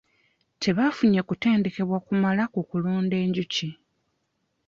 Tebafunye kutendekebwa kumala ku kulunda enjuki.